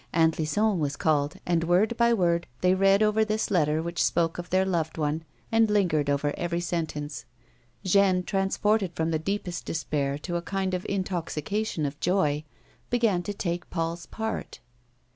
Auut Lison was called, and, word by word, they read over this letter which spoke of their loved one, and lingered over every sentence. Jeanne, transported from the deepest despair to a kind of intoxication of hope, began to take Paul's part.